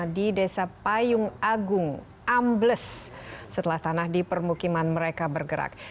di desa payung agung ambles setelah tanah di permukiman mereka bergerak